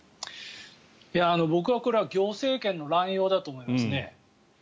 僕はこれは行政権の乱用だと思いますね。